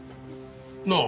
なあ。